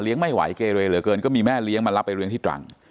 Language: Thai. ไม่ไหวเกเรเหลือเกินก็มีแม่เลี้ยงมารับไปเลี้ยงที่ตรัง